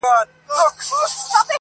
خاورو او لمر، خټو یې وړي دي اصلي رنګونه٫